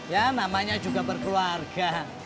ya namanya juga berkeluarga